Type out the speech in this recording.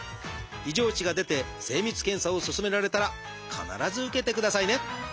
異常値が出て精密検査を勧められたら必ず受けてくださいね。